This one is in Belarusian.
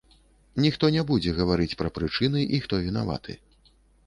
Ніхто не будзе гаварыць пра прычыны і хто вінаваты.